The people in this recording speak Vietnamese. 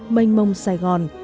mênh mông sài gòn